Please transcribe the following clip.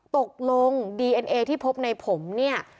ตกลงดีเอ็นเอที่พบในผมเนี่ย